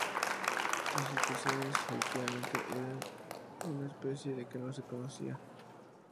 Los especímenes efectivamente eran de una especie que no se conocía.